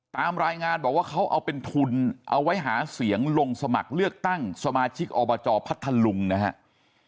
ตามรายงานบอกว่าเขาเอาเป็นทุนเอาไว้หาเสียงลงสมัครเลือกตั้งสมาชิกอบจพัทธลุงนะครับ